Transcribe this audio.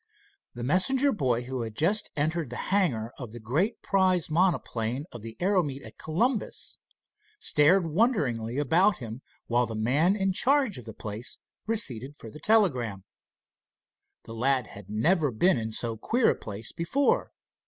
The messenger boy who had just entered the hangar of the great prize monoplane of the aero meet at Columbus, stared wonderingly about him while the man in charge of the place receipted for the telegram. The lad had never been in so queer a place before.